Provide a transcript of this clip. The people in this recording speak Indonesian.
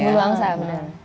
bulu angsa benar